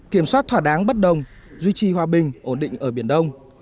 kiểm soát thỏa đáng bất đồng duy trì hòa bình ổn định ở biển đông